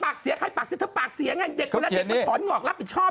ปากเสียใครปากเสียใครปากเสียไงเด็กมันก็เหนือมันฝนหงอกรับผิดชอบ